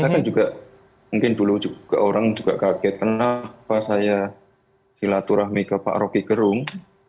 mungkin dulu orang juga kaget kenapa saya silaturahmi ke pak rocky gerung